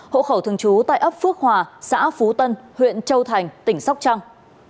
hộ khẩu thường trú tại ấp phước hòa xã phú tân huyện châu thành tỉnh sóc trăng